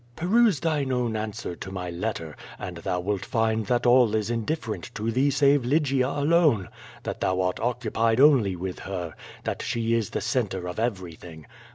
Peruse thine own answer to my letter, and thou wilt find that all is indifferent to thee save Lygia alone; that thou art occupied only with her; that she is the centre of every thing.